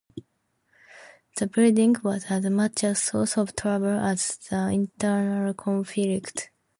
The building was as much a source of trouble as the internal conflicts.